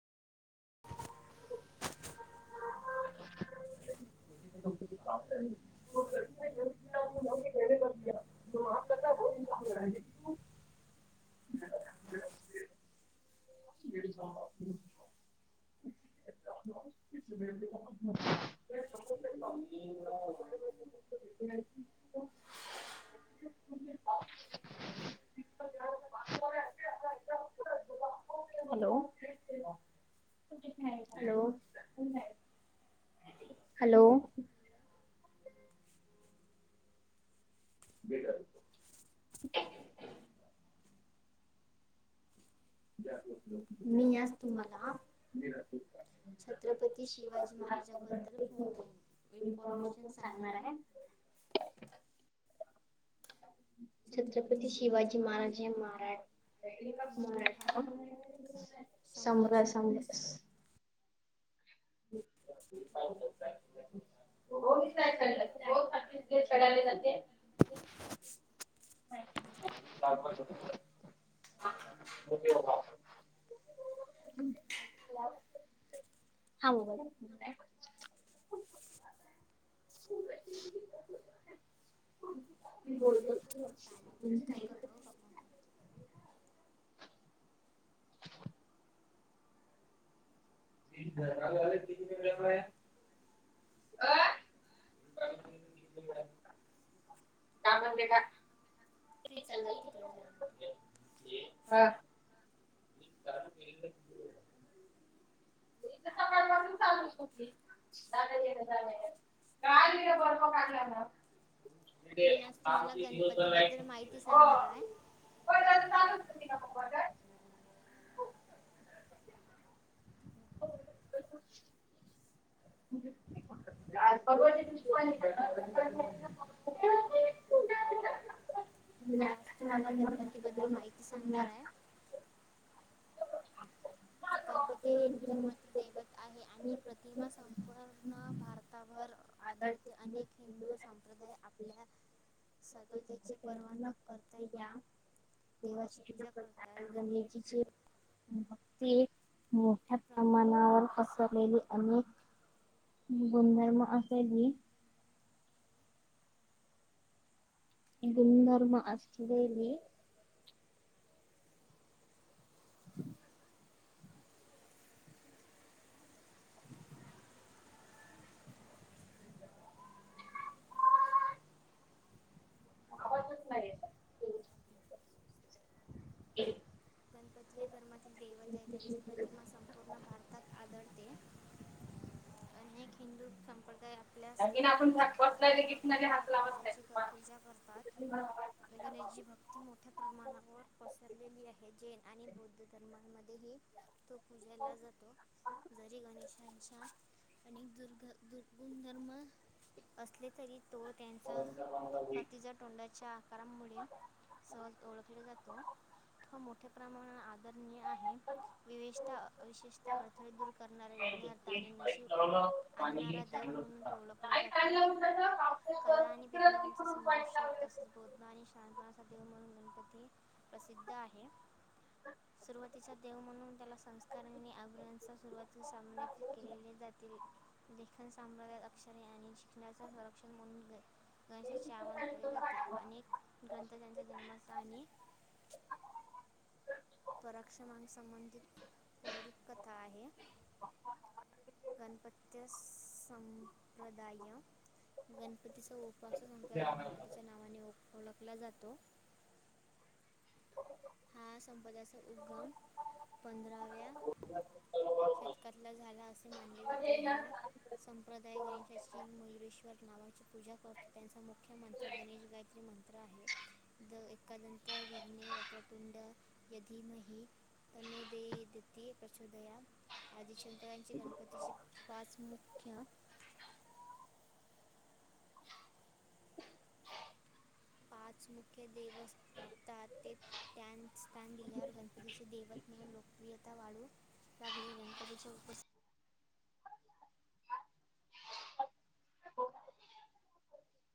[inaudible] [inaudible] [unintelligible] [unintelligible] [inaudible] [inaudible] Hello! Hello! Hello! बेटा [unintelligible] जा [unintelligible] मी आज तुम्हाला छत्रपती शिवाजी महाराजांबद्दल इन्फॉर्मेशन सांगणार आहे. छत्रपती शिवाजी महाराज हे महाराहा शभरा सभ [unintelligible] पा [unintelligible] [unintelligible] [unintelligible] [unintelligible] मी बोलतो तू फता म्हणजे काय करतो फक् [unintelligible] [unintelligible] किती वेळ [unintelligible] काांग घ का [unintelligible] फ्रीज चालु झालं किती वेळ झाला हा. [unintelligible] हीच सकाळ पासून चालूच होती जाण येण जाण येन. काय इथं बर्फ टाकला ना. [unintelligible] ं [unintelligible] [inaudible] [inaudible] [unintelligible] [unintelligible] तुम्हाला गणपतीबद्दल माहिती सांगणार आहे. गणपती हे इनतर मात्र दैवत आहे आणि प्रतिमा सपूर्ण भारताभर आदळते अनेक हिंदू संप्रदाय आप आपल्या सकलतेची परवा न करता या देवाची पूजा करतात गणेशजीचे भक्त ती मोठ्या प्रमाणावर पसरलेली अनेक गुणधर्म असेली. गुणधर्म असले ली. आवाजच नाही. [unintelligible] [unintelligible] गणपत ले धर्मातील देवत आहे त्यांची प्रतिमा संपूर्ण भार तात आदळते अनेक हिंदू संप्रदाय. आपल्या संकल्पची परवा न करतात पूजेची क पूजा करतात. गणेशजी भक्ती मोठ्या प्रमाणावर पसरलेली आहे. जैन आणि बौद्ध धर्मांमध्येही तो पूजेला जातो. जरी गणेशांच्या आणिक दुर्ग दु गुणधर्म. असले तरी तो त्यांचा हातिच्या टोंडाच्या करामुळे सह ओळखले जातो. हा मोठ्या प्रमाणा आदरणीय आहे. विवेषता अविशेषता अडथळे दूर करणाऱ्या विघ्नार्थ आणि नशीब. आनणारा देव म्हणून ओळखला जातो, कला आणि विज्ञानचा संघर्ष पोतना आणि शांतणासा देव म्हणून गणपती प्रसिद्ध आहे. सुरुवातीचा देव म्हणून त्याला संस्कार आणि, आग्रहांचा सुरुवातीला सामन केलेले जातील. लेखन साांभ्राव्या अक्षरे आणि. ण्या संरक्षण म्हणून गणेशाचे आवाहन केले जाते अनेक. ग्रंथजयांचा जन्म असता आणि. स्रक्षमां संबंधित पौरिक कथा आहे. गणपत संप्रदाय गणपतीचाप. संपल्या नंतरच्या. ओ संपदचा उगगम पंधराव्या. शतकातला झाला असे मानले जाते हा. संप्रदाय गणेशाची मयुरेश्वर नावाची पूजा करतो, त्यांचा मुख्यमंत्र गणेश गायत्री म्हणतो. आहे द एखादंत विघ्णे वक्रतुंड. यधीमही तनुददित प्रचोदया आदीिच्या्य. गणपतीचे पाच मुख्य. पाच मुख्य देवस्तात. ्टॅन स्टॅन गिलल्यावर गणपतीचे देवत म्हणून लोकप्रियता वाढू. लागली गणपतीच्या उपस्थ.